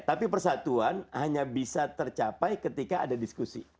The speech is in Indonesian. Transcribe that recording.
tapi persatuan hanya bisa tercapai ketika ada diskusi